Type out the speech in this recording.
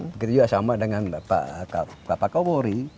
begitu juga sama dengan pak kawori